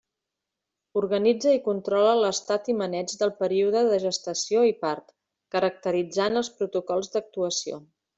Organitza i controla l'estat i maneig del període de gestació i part, caracteritzant els protocols d'actuació.